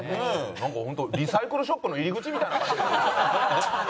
なんか本当リサイクルショップの入り口みたいな感じ。